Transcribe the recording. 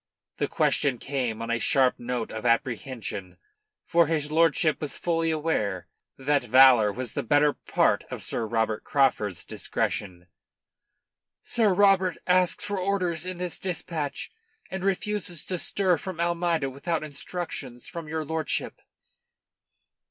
The question came on a sharp note of apprehension, for his lordship was fully aware that valour was the better part of Sir Robert Craufurd's discretion. "Sir Robert asks for orders in this dispatch, and refuses to stir from Almeida without instructions from your lordship."